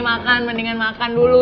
makan mendingan makan dulu